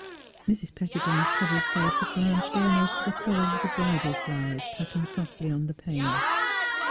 '' Mrs. Pettibone 's troubled face had blanched almost to the colour of the bridal flowers tapping softly on the pane.